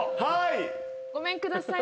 ごめんくださいませ。